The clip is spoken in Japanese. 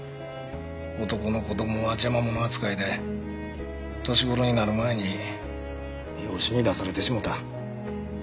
男の子供は邪魔者扱いで年頃になる前に養子に出されてしもた。